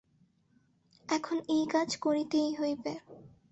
এখন এই কাজ করিতেই হইবে।